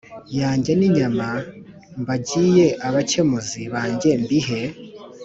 Yanjye n inyama mbagiye abakemuzi banjye mbihe